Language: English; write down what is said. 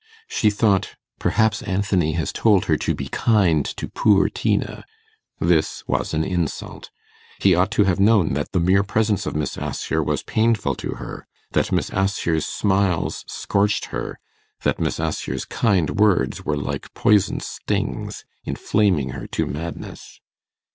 She thought, 'Perhaps Anthony has told her to be kind to poor Tina.' This was an insult. He ought to have known that the mere presence of Miss Assher was painful to her, that Miss Assher's smiles scorched her, that Miss Assher's kind words were like poison stings inflaming her to madness.